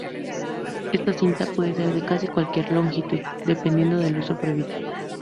Esta cinta puede ser de casi cualquier longitud, dependiendo del uso previsto.